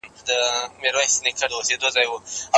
شیدې د ماشوم د هډوکو لپاره حیاتي دي.